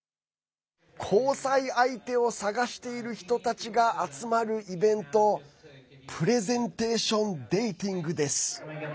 交際相手を探している人たちが集まるイベントプレゼンテーション・デーティングです。